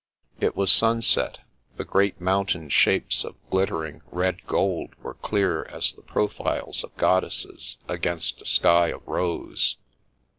It was sunset. The great mountain shapes of glittering, red gold were clear as the profiles of god desses, against a sky of rose.